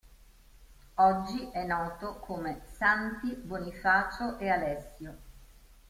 Oggi è noto come Santi Bonifacio e Alessio.